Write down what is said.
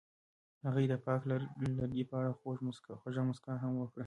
هغې د پاک لرګی په اړه خوږه موسکا هم وکړه.